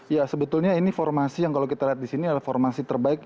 ya sebetulnya ini formasi yang kalau kita lihat di sini adalah formasi terbaik